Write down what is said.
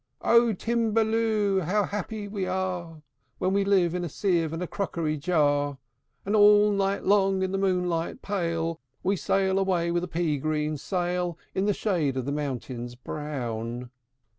"O Timballoo! How happy we are When we live in a sieve and a crockery jar! And all night long, in the moonlight pale, We sail away with a pea green sail In the shade of the mountains brown."